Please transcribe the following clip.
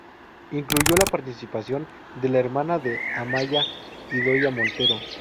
Incluyó la participación de la hermana de Amaia, Idoia Montero.